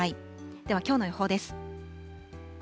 では、きょうの予報です。